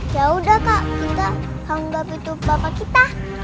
yaudah kak kita anggap itu bapak kita